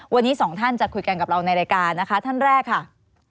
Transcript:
วันนี้สองท่านจะคุยกันกับเราในรายการนะคะท่านแรกค่ะ